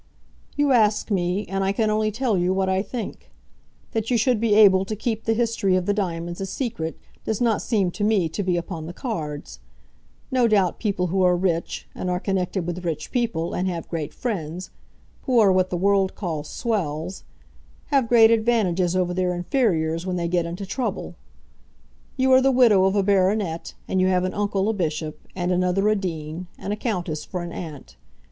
"You ask me, and I can only tell you what I think. That you should be able to keep the history of the diamonds a secret, does not seem to me to be upon the cards. No doubt people who are rich, and are connected with rich people, and have great friends, who are what the world call swells, have great advantages over their inferiors when they get into trouble. You are the widow of a baronet, and you have an uncle a bishop, and another a dean, and a countess for an aunt.